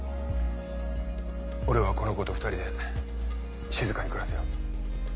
俺はこの子と２人で静かに暮らすよ。